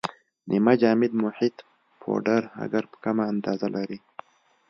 نیمه جامد محیط پوډراګر په کمه اندازه لري.